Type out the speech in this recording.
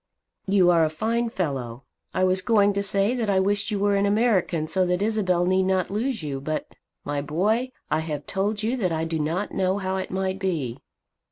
"You are a fine fellow. I was going to say that I wished you were an American, so that Isabel need not lose you. But, my boy, I have told you that I do not know how it might be.